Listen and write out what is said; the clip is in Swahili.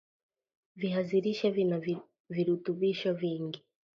viazi lishe vina virutubisho vingi